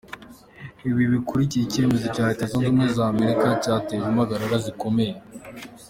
Ibi bikurikiye icyemezo cya Leta Zunze Ubumwe za Amerika cyateje impagarara zikomeye.